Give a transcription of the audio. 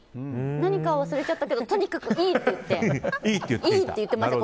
何か忘れちゃったけどとにかくいいって言っていました。